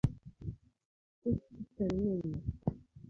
kuki tutabimenya